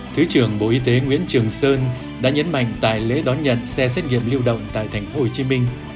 thứ trưởng bộ y tế nguyễn trường sơn đã nhấn mạnh tại lễ đón nhận xe xét nghiệm lưu động tại thành phố hồ chí minh